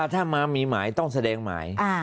ถ้ามามีหมายต้องแสดงหมาย